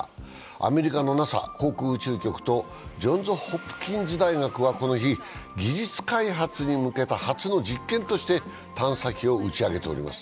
アメリカのＮＡＳＡ＝航空宇宙局とジョンズ・ホプキンス大学はこの日、技術開発に向けた初の実験として探査機を打ち上げております。